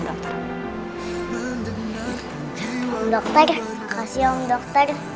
om dokter makasih om dokter